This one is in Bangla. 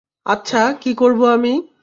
আচ্ছা, কি করব আমি?